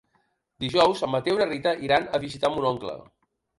Dijous en Mateu i na Rita iran a visitar mon oncle.